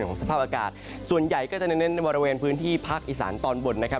สภาพอากาศส่วนใหญ่ก็จะเน้นในบริเวณพื้นที่ภาคอีสานตอนบนนะครับ